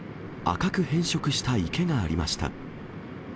赤く変色した池がありました。